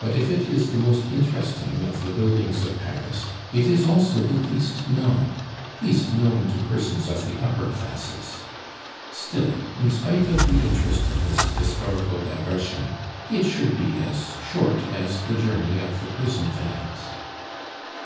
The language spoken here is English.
But if it is the most interesting of the buildings of Paris, it is also the least known least known to persons of the upper classes; still, in spite of the interest of this historical digression, it should be as short as the journey of the prison vans.